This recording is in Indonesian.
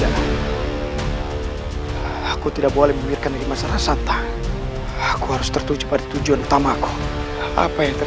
aku berharap kamu akan menjadi pasukan besarructure yang paling mewalki tayangmu